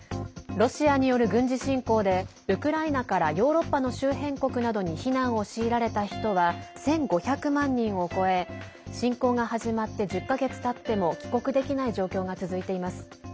ロシアによる軍事侵攻でウクライナからヨーロッパの周辺国などに避難を強いられた人は１５００万人を超え侵攻が始まって１０か月たっても帰国できない状況が続いています。